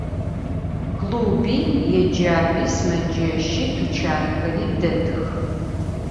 Klubi, yêcap'i, sımeceşi, tuçanxeri detıx.